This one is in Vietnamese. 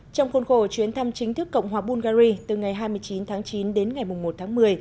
trong khuôn khổ chuyến thăm chính thức cộng hòa bungary từ ngày hai mươi chín tháng chín đến ngày một tháng một mươi